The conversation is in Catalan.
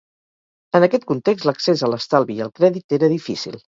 En aquest context, l'accés a l'estalvi i al crèdit era difícil.